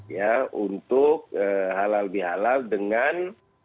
ya untuk halal bihalal dengan